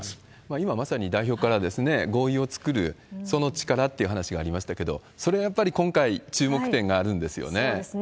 今まさに代表から合意を作る、その力っていう話がありましたけど、それがやっぱり今回、注目点があるんですよね。